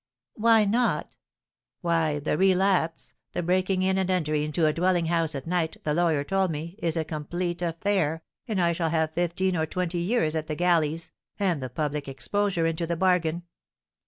"Why not?" "Why, the relapse, the breaking in and entry into a dwelling house at night, the lawyer told me, is a complete affair, and I shall have fifteen or twenty years at the galleys, and the public exposure into the bargain."